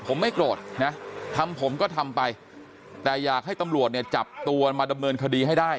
ผมไม่โกรธนะทำผมก็ทำไปแต่อยากให้ตำรวจเนี่ยจับตัวมาดำเนินคดีให้ได้